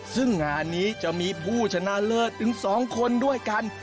ซึ่งงานนี้จะมีผู้ชนะเลิศถึง๒คนด้วยกัน